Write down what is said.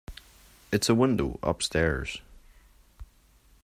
It's a window, upstairs!